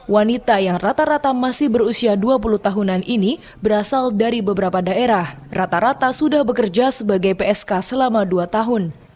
wanita yang rata rata masih berusia dua puluh tahunan ini berasal dari beberapa daerah rata rata sudah bekerja sebagai psk selama dua tahun